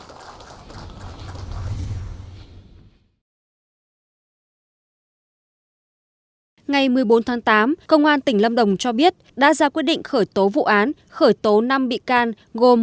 ngày một mươi bốn tháng tám công an tỉnh lâm đồng cho biết đã ra quyết định khởi tố vụ án khởi tố năm bị can gồm